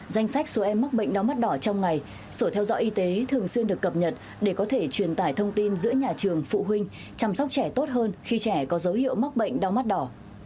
danh sách số em mắc bệnh đau mắt đỏ trong ngày sở theo dõi y tế thường xuyên được cập nhật để có thể truyền tải thông tin giữa nhà trường phụ huynh chăm sóc trẻ tốt hơn khi trẻ có dấu hiệu mắc bệnh đau mắt đỏ